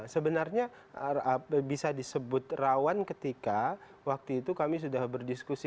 sebenarnya bisa disebut rawan ketika waktu itu kami sudah berdiskusi